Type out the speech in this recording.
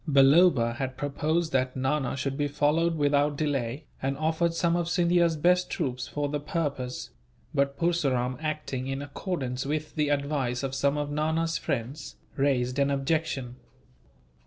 Balloba had proposed that Nana should be followed without delay, and offered some of Scindia's best troops for the purpose; but Purseram, acting in accordance with the advice of some of Nana's friends, raised an objection.